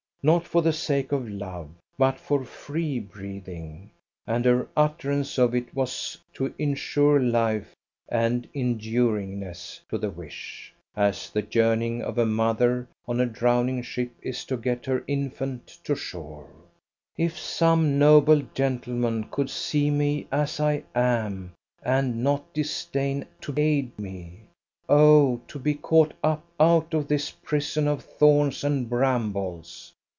not for the sake of love, but for free breathing; and her utterance of it was to insure life and enduringness to the wish, as the yearning of a mother on a drowning ship is to get her infant to shore. "If some noble gentleman could see me as I am and not disdain to aid me! Oh! to be caught up out of this prison of thorns and brambles.